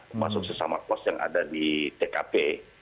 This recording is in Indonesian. termasuk sesama kos yang ada di tkp